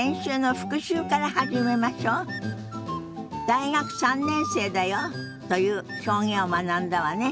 「大学３年生だよ」という表現を学んだわね。